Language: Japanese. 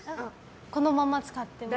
このまま使ってます。